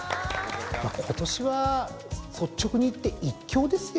今年は率直に言って１強ですよ。